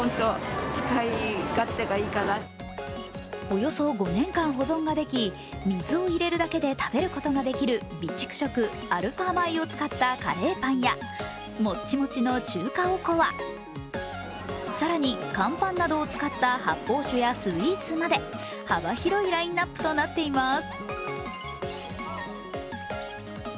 およそ５年間保存ができ水を入れるだけで食べることができる備蓄食、アルファ米を使ったカレーパンやもっちもちの中華おこわ、更に乾パンなどをつかった発泡酒やスイーツまで幅広いラインナップとなっています。